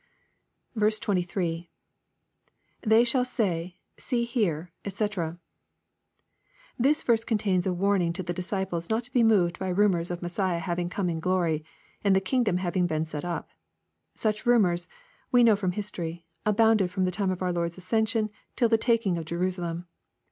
15.) 23. — [They shall say^ see here^ &c.'\ This verse contains a warning to the disciples not to be moved by rumors of Messiah having come in glory, and the kingdom having been set up. Such ru mors^ we know from history, abounded from the time of our Lord's ascension till the taking of Jerusalem.